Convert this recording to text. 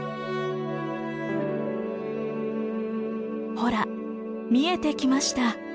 ほら見えてきました。